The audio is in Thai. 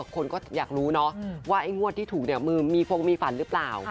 คนก็อยากรู้เนาะว่าไอ้งวดที่ถูกเนี่ยมือมีฟงมีฝันหรือเปล่า